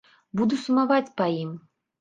Буду сумаваць па ім.